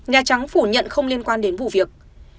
nhà trắng phủ nhận không liên quan đến vụ việc